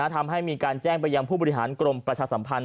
ทำให้มีการแจ้งไปยังผู้บริหารกรมประชาสัมพันธ